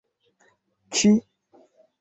ĉi